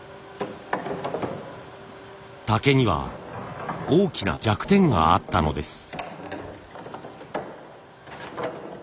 竹には大きな弱点があったのです。